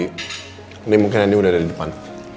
ini mungkin andi udah ada di depan